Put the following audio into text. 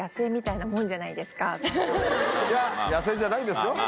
いや野生じゃないですよ。